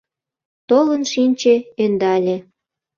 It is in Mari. Толын шинче, ӧндале.